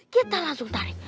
kita langsung tarik